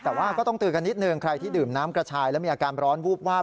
แต่ว่าก็ต้องเตือนกันนิดนึงใครที่ดื่มน้ำกระชายแล้วมีอาการร้อนวูบวาบ